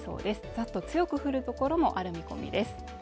ざっと強く降る所もある見込みです